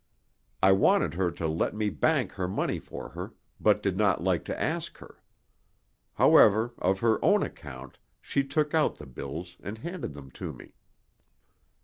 I wanted her to let me bank her money for her, but did not like to ask her. However, of her own account she took out the bills and handed them to me.